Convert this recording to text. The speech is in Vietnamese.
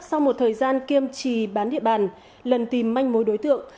sau một thời gian kiêm trì bán địa bàn lần tìm manh mối đối tượng